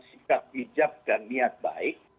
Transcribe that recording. sikap hijab dan niat baik